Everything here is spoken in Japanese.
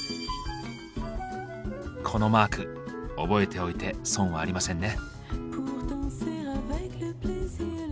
このマーク覚えておいて損はありませんね。